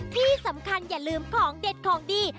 ที่สำคัญอย่าลืมของเด็ดของดี